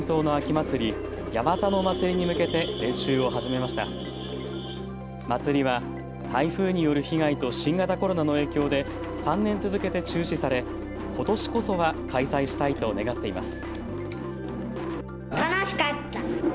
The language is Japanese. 祭りは台風による被害と新型コロナの影響で３年続けて中止され、ことしこそは開催したいと願っています。